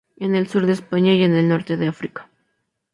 En el sur de España y en el norte de África.